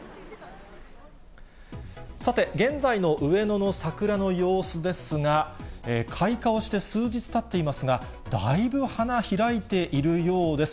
さて、現在の上野の桜の様子ですが、開花をして数日たっていますが、だいぶ花開いているようです。